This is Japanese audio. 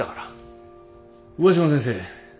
上嶋先生